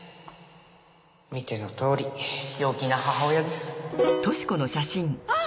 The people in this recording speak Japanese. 見てのとおり陽気な母親ですあっ！